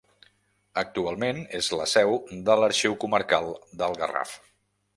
Actualment és la seu de l'Arxiu Comarcal del Garraf.